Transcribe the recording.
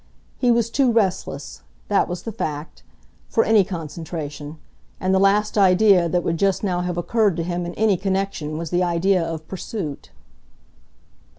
He was too restless that was the fact for any concentration, and the last idea that would just now have occurred to him in any connection was the idea of pursuit.